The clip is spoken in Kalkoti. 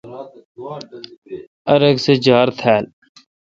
ار اک سہ جار تھال۔